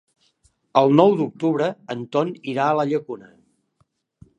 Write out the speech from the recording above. El nou d'octubre en Ton irà a la Llacuna.